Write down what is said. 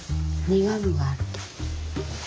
苦みがある。